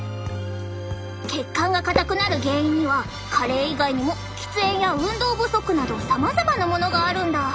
血管が硬くなる原因には加齢以外にも喫煙や運動不足などさまざまなものがあるんだ。